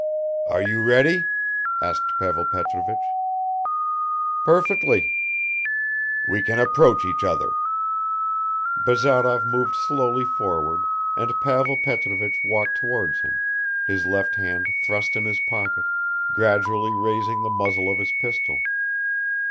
"Are you ready?" asked Pavel Petrovich. "Perfectly." "We can approach each other." Bazarov moved slowly forward and Pavel Petrovich walked towards him, his left hand thrust in his pocket, gradually raising the muzzle of his pistol